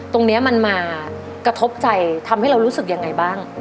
ตรงนี้มันมากระทบใจทำให้เรารู้สึกยังไงบ้าง